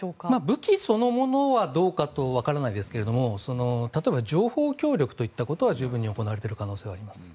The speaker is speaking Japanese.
武器そのものはどうかとわからないですけど例えば、情報協力といったことは十分に行われている可能性はあります。